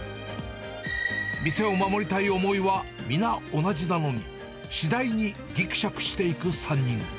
店を守りたい思いは皆同じなのに、次第にぎくしゃくしていく３人。